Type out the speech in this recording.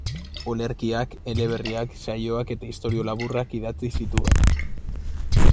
Olerkiak, eleberriak, saioak eta istorio laburrak idatzi zituen.